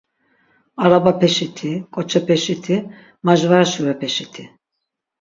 Arabapeşiti, ǩoçepeşiti, majvara şurepeşiti...